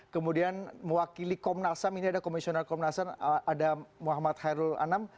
kemudian mewakili komnasam ini ada komisioner komnasam ada muhammad khairul anam